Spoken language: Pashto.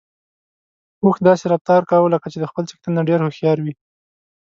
اوښ داسې رفتار کاوه لکه چې د خپل څښتن نه ډېر هوښيار وي.